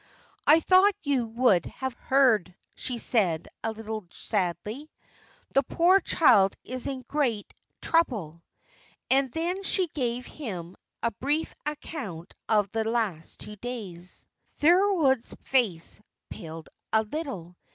"I thought you would have heard," she said, a little sadly. "The poor child is in great trouble." And then she gave him a brief account of the last two days. Thorold's face paled a little.